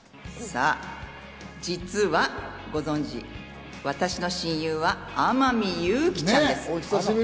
実はご存じ、私の親友は天海祐希ちゃんです！